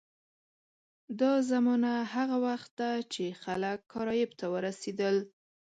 دا زمانه هغه وخت ده چې خلک کارایب ته ورسېدل.